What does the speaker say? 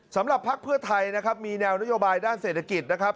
พักเพื่อไทยนะครับมีแนวนโยบายด้านเศรษฐกิจนะครับ